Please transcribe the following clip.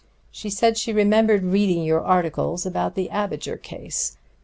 She said she remembered reading your articles about the Abinger case.